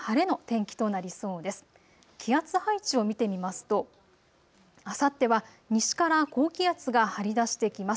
気圧配置を見てみますとあさっては西から高気圧が張り出してきます。